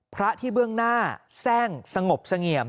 พระที่เบื้องหน้าแทร่งสงบเสงี่ยม